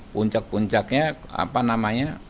puncak puncaknya apa namanya